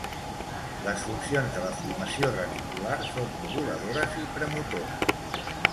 Les funcions de la formació reticular són moduladores i premotores.